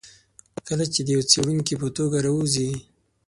کله چې د یوه څېړونکي په توګه راووځي.